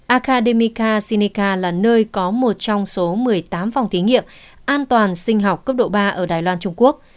academika sineica là nơi có một trong số một mươi tám phòng thí nghiệm an toàn sinh học cấp độ ba ở đài loan trung quốc